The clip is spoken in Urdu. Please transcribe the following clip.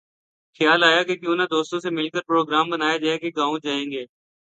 خیال آیا کہ کیوں نہ دوستوں سے مل کر پروگرام بنایا جائے کہ گاؤں جائیں گے